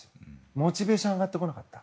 モチベーションが上がってこなかった。